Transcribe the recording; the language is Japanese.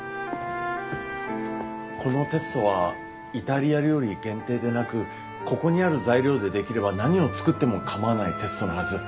このテストはイタリア料理限定でなくここにある材料で出来れば何を作っても構わないテストのはず。